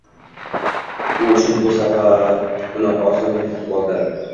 U uchun bu safar uni osongina tutib oldi.